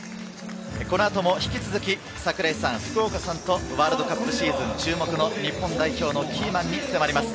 この後も引き続き、櫻井さん、福岡さんと、ワールドカップシーズン注目の日本代表のキーマンに迫ります。